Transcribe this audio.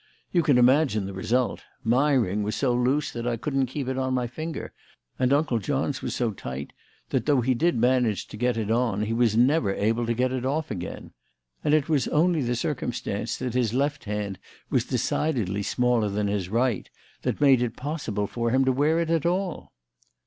You can imagine the result; my ring was so loose that I couldn't keep it on my finger, and Uncle John's was so tight that, though he did manage to get it on, he was never able to get it off again. And it was only the circumstance that his left hand was decidedly smaller than his right that made it possible for him to wear it at all."